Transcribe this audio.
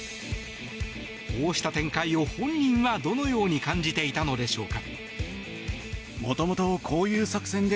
こうした展開を本人はどのように感じていたのでしょうか。